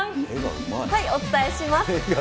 お伝えします。